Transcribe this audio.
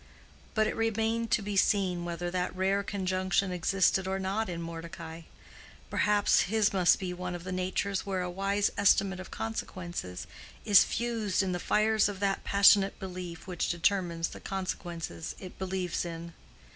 But it remained to be seen whether that rare conjunction existed or not in Mordecai: perhaps his might be one of the natures where a wise estimate of consequences is fused in the fires of that passionate belief which determines the consequences it believes in.